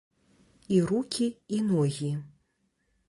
І рукі і ногі.